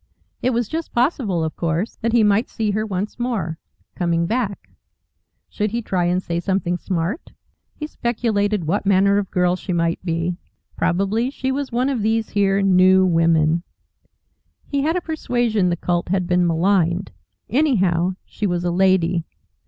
It was just possible, of course, that he might see her once more coming back. Should he try and say something smart? He speculated what manner of girl she might be. Probably she was one of these here New Women. He had a persuasion the cult had been maligned. Anyhow she was a Lady.